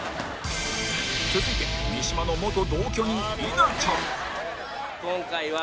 続いて三島の元同居人稲ちゃん